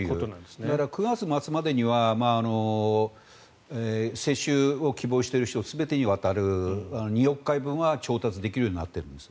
だから９月末までには接種を希望している人全てに渡る２億回分は調達できるようになってるんです。